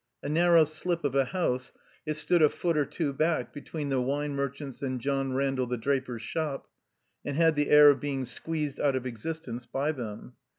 A narrow slip of a house, it stood a foot or two back between the wine mer chant's and John Randall the draper's shop, and had the air of being squeezed out of existence by them.